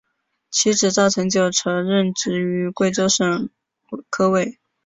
妻子赵曾玖则任职于贵州省科委。